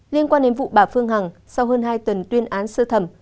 liên quan đến vụ bà phương hằng sau hơn hai tuần tuyên án sơ thẩm